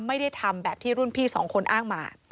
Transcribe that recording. ไม่ได้ทำแบบที่รุ่นพี่สองคนอ้างมา